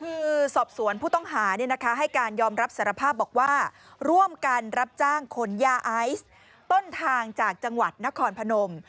คือสอบสวนผู้ต้องหาให้การยอมรับสารภาพบอกว่าร่วมกันรับจ้างขนยาไอซ์ต้นทางจากจังหวัดนครพนม